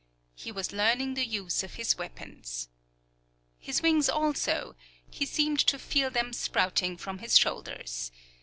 He was learning the use of his weapons. His wings also, he seemed to feel them sprouting from his shoulders.